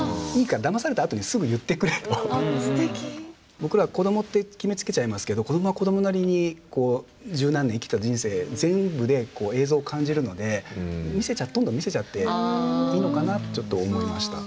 僕らは子どもって決めつけちゃいますけど子どもは子どもなりに十何年生きた人生全部で映像を感じるのでどんどん見せちゃっていいのかなとちょっと思いました。